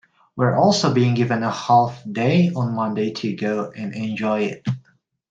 We're also being given a half day on Monday to go and enjoy it.